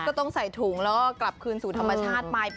ก็ต้องใส่ถุงแล้วก็กลับคืนสู่ธรรมชาติไป